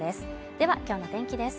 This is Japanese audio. では、今日の天気です